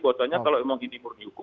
bahwa soalnya kalau emang ini murni hukum